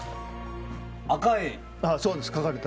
そうです。